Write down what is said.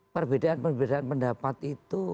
perbedaan pendapat itu